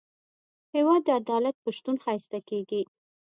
هېواد د عدالت په شتون ښایسته کېږي.